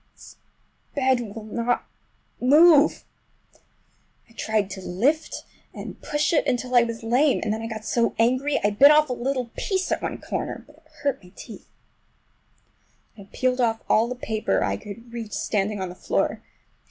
This bed will not move! I tried to lift and push it until I was lame, and then I got so angry I bit off a little piece at one corner—but it hurt my teeth. Then I peeled off all the paper I could reach standing on the floor.